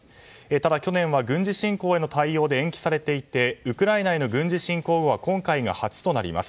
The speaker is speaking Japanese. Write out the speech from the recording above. ただ去年は軍事侵攻への対応で延期されていてウクライナへの軍事侵攻後は今回が初となります。